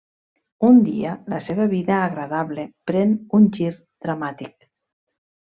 Un dia, la seva vida agradable pren un gir dramàtic.